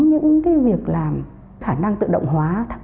những cái việc làm khả năng tự động hóa